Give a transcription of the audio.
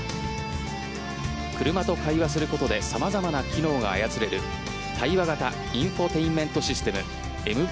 クルマと会話することで様々な機能が操れる対話型インフォテインメントシステム